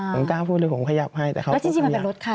ผมกล้าพูดเลยผมขยับให้แต่เขาพูดคำหยาบไง